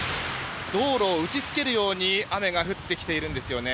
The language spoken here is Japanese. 道路を打ち付けるように雨が降ってきているんですよね。